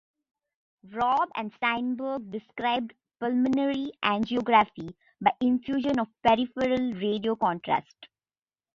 Robb and Steinberg described pulmonary angiography by infusion of peripheral radiocontrast.